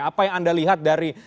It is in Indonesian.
apa yang anda lihat dari